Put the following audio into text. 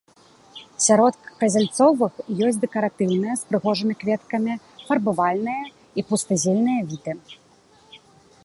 Сярод казяльцовых ёсць дэкаратыўныя з прыгожымі кветкамі, фарбавальныя і пустазельныя віды.